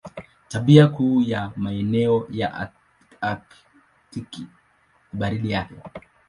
Tabia kuu ya maeneo ya Aktiki ni baridi yake.